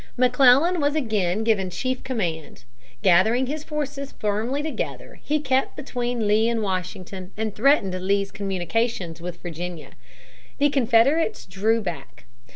McClellan was again given chief command. Gathering his forces firmly together, he kept between Lee and Washington, and threatened Lee's communications with Virginia. The Confederates drew back.